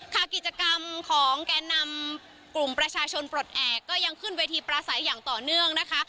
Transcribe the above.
การนำกลุ่มประชาชนปลดแอกก็ยังขึ้นเวทีประสัยอย่างต่อเนื่องนะคะ